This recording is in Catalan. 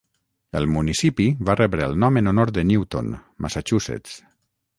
El municipi va rebre el nom en honor de Newton, Massachusetts.